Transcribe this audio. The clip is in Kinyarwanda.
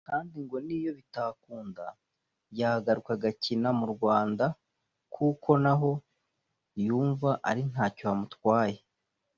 kandi ngo n’iyo bitakunda yagaruka agakina mu Rwanda kuko naho yumva ari ntacyo hamutwaye